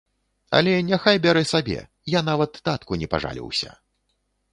Але няхай бярэ сабе, я нават татку не пажаліўся.